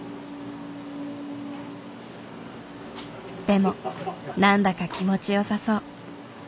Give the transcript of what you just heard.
でも何だか気持ちよさそう。